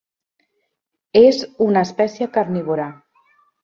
És una espècie carnívora.